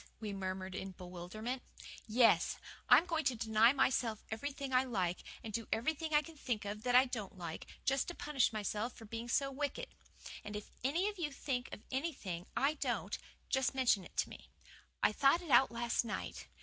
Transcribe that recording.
we murmured in bewilderment. "Yes. I'm going to deny myself everything I like, and do everything I can think of that I don't like, just to punish myself for being so wicked. And if any of you think of anything I don't, just mention it to me. I thought it out last night.